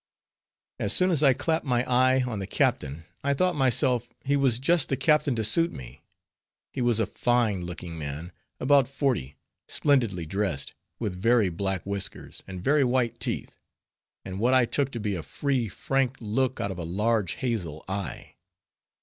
As soon as I clapped my eye on the captain, I thought myself he was just the captain to suit me. He was a fine looking man, about forty, splendidly dressed, with very black whiskers, and very white teeth, and what I took to be a free, frank look out of a large hazel eye.